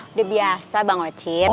udah biasa bang wajid